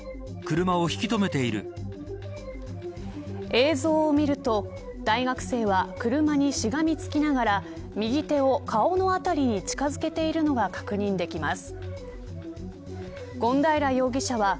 映像を見ると大学生は車にしがみつきながら右手を顔のあたりに近づけているのが確認できます。